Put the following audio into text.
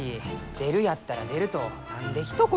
出るやったら出ると何でひと言。